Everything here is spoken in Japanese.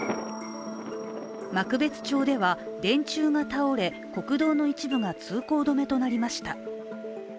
幕別町では、電柱が倒れ国道の一部が通行止めとなりました。